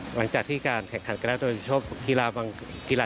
หลังจากที่การแข่งขัดกรรมโดยคิดชสบดิโดยเชิญเกียราบางกีฬา